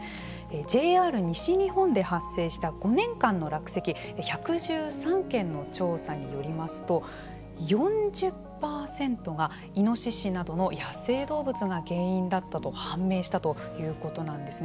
ＪＲ西日本で発生した５年間の落石１１３件の調査によりますと４０％がイノシシなどの野生動物が原因だったと判明したということなんですね。